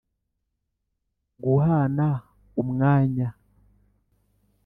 guhana umwanya: